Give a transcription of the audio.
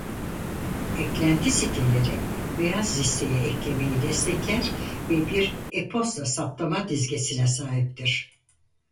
Eklenti siteleri beyaz listeye eklemeyi destekler ve bir e-posta saptama dizgesine sahiptir.